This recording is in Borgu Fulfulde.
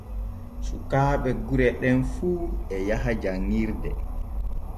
Sukaaɓe gure ɗem fu e yaha janŋirde.